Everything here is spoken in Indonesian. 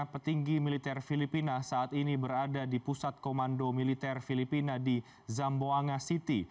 petinggi militer filipina saat ini berada di pusat komando militer filipina di zamboanga city